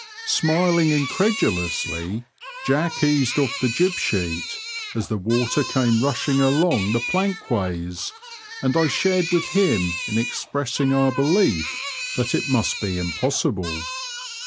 Smiling incredulously, Jack eased off the jib sheet, as the water came rushing along the plankways, and I shared with him in expressing our belief that it must be impossible.